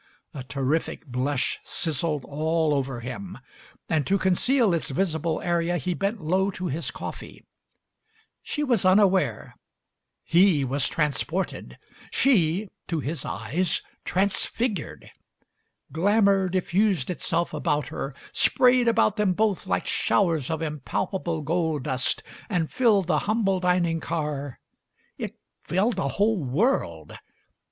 A terrific blush sizzled all over him, and to conceal its visible area he bent low to his coffee. She was unaware. He was transported, she — to his eyes — transfigured. Glamour diffused itself about her, sprayed about them both like showers of impalpable gold dust, and filled the humble dining car — it filled the whole world.